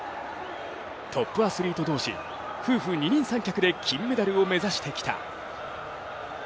トップアスリート同士、夫婦二人三脚で金メダルを目指してきた。